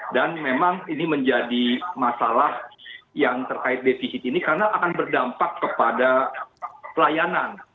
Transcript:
dan memang ini menjadi masalah yang terkait defisit ini karena akan berdampak kepada pelayanan